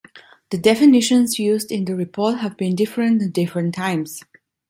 The definitions used in the report have been different at different times.